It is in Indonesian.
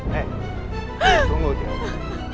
hei tunggu dia